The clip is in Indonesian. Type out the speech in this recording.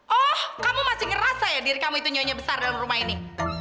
oh kamu masih ngerasa ya diri kamu itu nyonya besar dalam rumah ini